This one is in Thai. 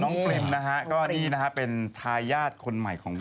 น้องปริมนะคะนี่เป็นทายาทคนใหม่ของมิ๊ก